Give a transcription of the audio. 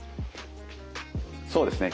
そうですね